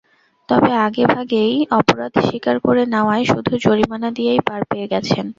তবে আগেভাগেই অপরাধ স্বীকার করে নেওয়ায় শুধু জরিমানা দিয়েই পার পেয়ে গেছেন।